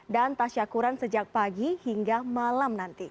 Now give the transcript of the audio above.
dan tasyakuran sejak pagi hingga malam nanti